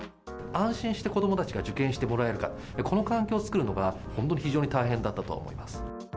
安心して子どもたちが受験してもらえるか、この環境を作るのが、本当に非常に大変だったと思います。